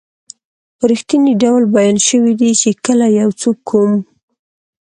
په رښتني ډول بیان شوي دي چې کله یو څوک کوم